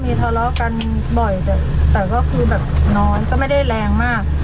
มีทะเลาะกันบ่อยแต่ก็คือแบบนอนก็ไม่ได้แรงมาก